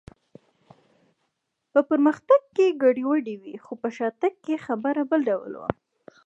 په پرمختګ کې ګډوډي وي، خو په شاتګ کې خبره بل ډول وه.